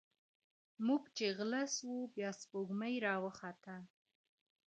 موږ چي غله سوو، بيا سپوږمۍ راوخته.